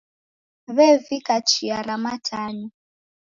W'evika chia ra matanyo.